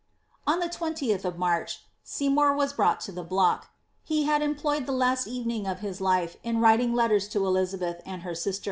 On the 20th of March, Seymour was brought to the block ; he had employed the last evening of his life in writing letters to Elizabeth and BLIZABSTH.